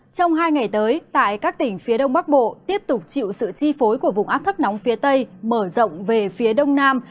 trong hai ngày tới tại các tỉnh phía đông bắc bộ tiếp tục chịu sự chi phối của vùng áp thấp nóng phía tây mở rộng về phía đông nam